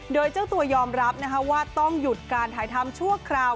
โดยเจ้าตัวยอมรับนะคะว่าต้องหยุดการถ่ายทำชั่วคราว